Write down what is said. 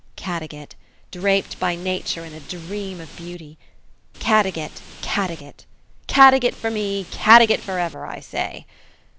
Caddagat, draped by nature in a dream of beauty. Caddagat, Caddagat! Caddagat for me, Caddagat for ever! I say.